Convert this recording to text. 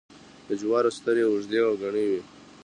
د جوارو سترۍ اوږدې او گڼې وي.